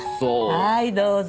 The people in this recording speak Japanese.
はいどうぞ。